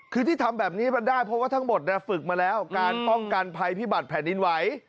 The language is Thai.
คือที่ทำแบบนี้มันได้เพราะว่าทั้งหมดฝึกมาแล้วการป้องกันภัยพิบัตรแผ่นดินไหว